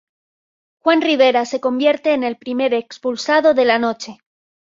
Juan Rivera se convierte en el primer expulsado de la noche.